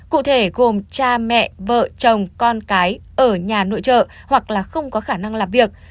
cụ thể gồm cha mẹ vợ chồng con cái ở nhà nội trợ hoặc là không có khả năng làm việc